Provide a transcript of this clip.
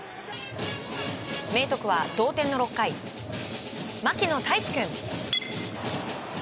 明豊は、同点の６回牧野太一君。